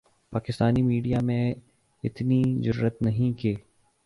Pakistani media میں اتنی جرآت نہیں کہ